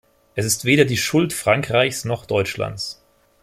Es ist weder die Schuld Frankreichs noch Deutschlands.